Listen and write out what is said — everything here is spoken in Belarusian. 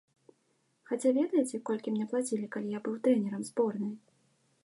Хаця ведаеце, колькі мне плацілі, калі я быў трэнерам зборнай?